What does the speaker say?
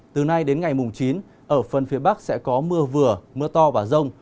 từ nay đến ngày chín ở phần phía bắc sẽ có mưa vừa mưa to và rồng